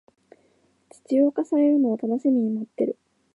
実用化されるのを楽しみに待ってる